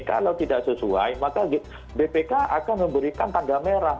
kalau tidak sesuai maka bpk akan memberikan tanda merah